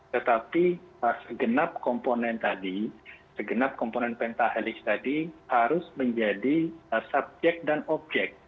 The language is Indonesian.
tetapi segenap komponen pentahelik tadi harus menjadi subjek dan objek